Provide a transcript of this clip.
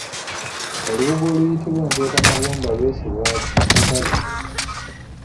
Olubugo oluyitibwa enkwekamagumba lwesibwa bakazi.